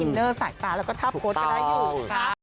อินเนอร์สายตาแล้วก็ทับโค้ดก็ได้อยู่นะคะ